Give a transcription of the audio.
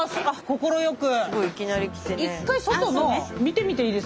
快く。